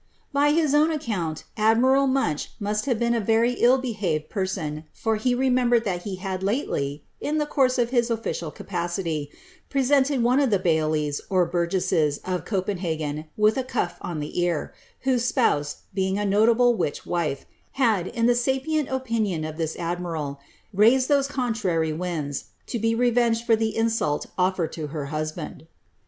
Ey his own account admiral Slunch must have been a verv dl behaveJ [*'' Melville's Slemoiis, vt 362 </ :ennet) vol. ii. p. &5~. iaboth ('V ANNS OF DENMARK* 347 •on, for he remembered that he had lately, in the course of his official capacity, presented one of the baillies, or burgesses, of Copenhagen with a cuff on the ear, whose spouse, being a notable witch wife, had, in the npient opinion of this admiral, raised those contrary winds, to be re renijred for the insult offered to her husband.